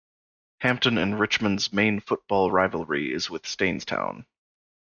Hampton and Richmond's main football rivalry is with Staines Town.